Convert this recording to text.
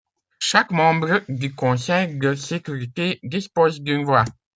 Chaque membre du Conseil de sécurité dispose d'une voix.